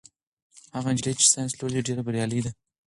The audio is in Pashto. هغه نجلۍ چې ساینس لولي ډېره بریالۍ ده.